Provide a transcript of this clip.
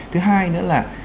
thứ hai nữa là